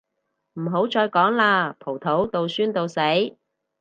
唔好再講喇，葡萄到酸到死